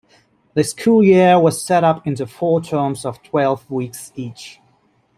The school year was set up into four terms of twelve weeks each.